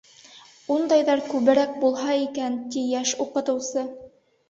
Ундайҙар күберәк булһа икән, — ти йәш уҡытыусы.